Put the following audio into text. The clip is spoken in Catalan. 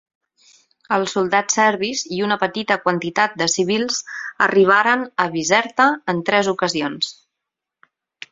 Els soldats serbis, i una petita quantitat de civils, arribaren a Bizerta en tres ocasions.